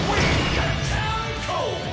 「ガッチャンコ！」